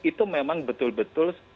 itu memang betul betul